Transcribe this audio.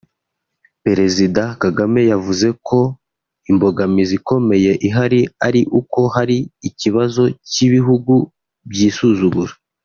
Perezida Kagame yavuze ko imbogamizi ikomeye ihari ari uko hari ikibazo cy’ ibihugu byisuzugura